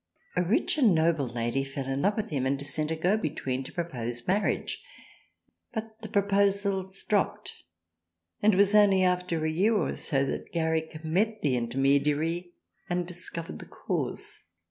A rich and noble Lady fell in love with him and sent a go between to pro pose marriage, but the proposals dropped and it was only after a year or two that Garrick met the inter mediary and discovered the cause.